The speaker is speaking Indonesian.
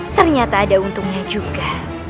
ternyata ada untungnya juga